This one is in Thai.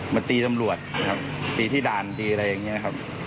มาตีตำรวจตีที่ด่านดีอะไรอย่างเงี้ยครับ